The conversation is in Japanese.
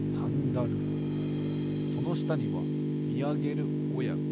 そのしたにはみあげるおやこ。